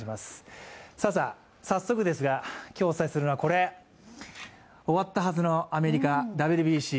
早速ですが、今日お伝えするのはこれ、終わったはずのアメリカＷＢＣ。